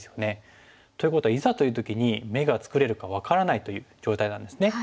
ということはいざという時に眼が作れるか分からないという状態なんですね。